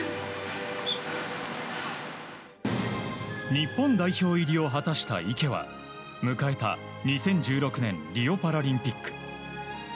日本代表入りを果たした池は迎えた２０１６年リオパラリンピック。